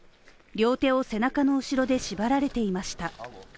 両手を背中の後ろで縛られていました。